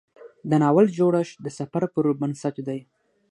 د ناول جوړښت د سفر پر بنسټ دی.